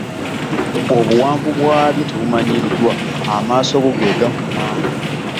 Obuwanvu bwabyo tebumanyiddwa, amaaso go ge gakoma.